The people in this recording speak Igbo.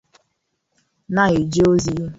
na-eje ozi